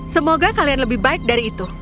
semoga kalian lebih baik dari itu